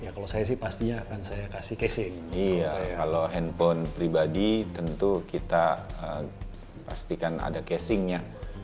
kalau saya sih pastinya akan saya kasih casing kalau handphone pribadi tentu kita pastikan ada casingnya